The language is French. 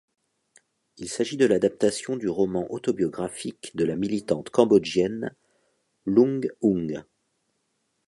Il s'agit de l'adaptation du roman autobiographique de la militante cambodgienne Loung Ung.